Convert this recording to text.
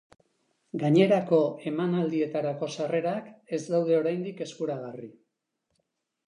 Gainerako emanaldietarako sarrerak ez daud eoraindik eskuragarri.